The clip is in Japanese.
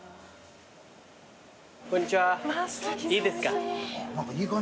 こんにちはいいですか？